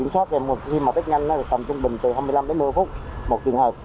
khi mà test nhanh thì tầm trung bình từ hai mươi năm đến một mươi phút một trường hợp